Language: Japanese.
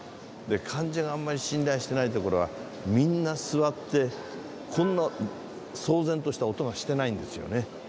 で患者があんまり信頼してないところはみんな座ってこんな騒然とした音がしてないんですよね。